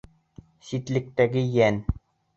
Ситлектәге йән